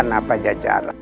dan kedua kujang kembar itu